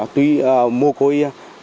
tuy mùa côi